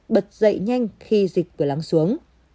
bật dậy nhanh khi dịch vừa lắng xuống